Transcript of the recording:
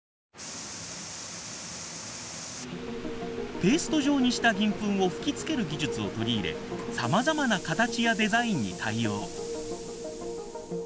ペースト状にした銀粉を吹きつける技術を取り入れさまざまな形やデザインに対応。